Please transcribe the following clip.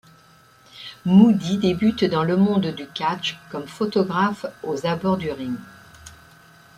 Moody débute dans le monde du catch comme photographe aux abords du ring.